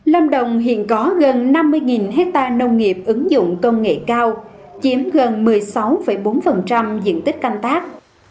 lâm đồng hiện có gần năm mươi hectare nông nghiệp ứng dụng công nghệ cao chiếm gần một mươi sáu bốn diện tích canh tác